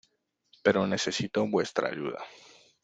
Pero necesito vuestra ayuda.